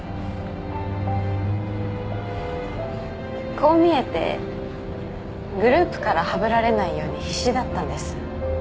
こう見えてグループからはぶられないように必死だったんです。